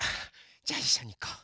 じゃあいっしょにいこう。